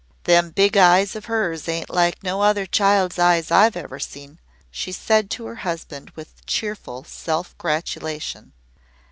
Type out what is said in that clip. "Them big eyes of hers ain't like no other child's eyes I've ever seen," she said to her husband with cheerful self gratulation.